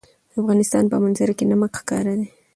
د افغانستان په منظره کې نمک ښکاره ده.